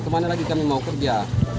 kemana lagi kami mau kerja